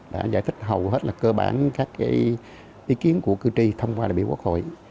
đã giải thích hầu hết là cơ bản các ý kiến của cư tri thông qua đại biểu quốc hội